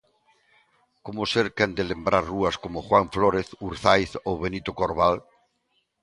Como ser quen de lembrar rúas como Juan Flórez, Urzaiz ou Benito Corbal?